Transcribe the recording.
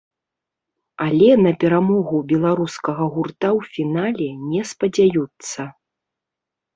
Але на перамогу беларускага гурта ў фінале не спадзяюцца.